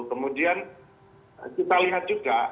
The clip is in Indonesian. kemudian kita lihat juga